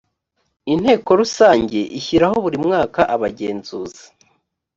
inteko rusange ishyiraho buri mwaka abagenzuzi